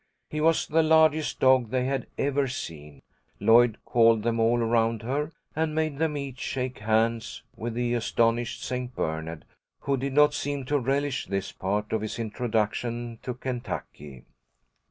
He was the largest dog they had ever seen. Lloyd called them all around her and made them each shake hands with the astonished St. Bernard, who did not seem to relish this part of his introduction to Kentucky.